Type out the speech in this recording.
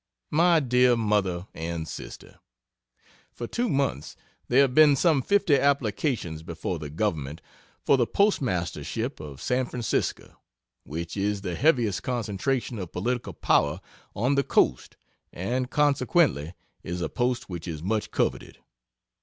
MY DEAR MOTHER AND SISTER, For two months there have been some fifty applications before the government for the postmastership of San Francisco, which is the heaviest concentration of political power on the coast and consequently is a post which is much coveted.